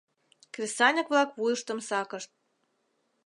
Кресаньык-влак вуйыштым сакышт.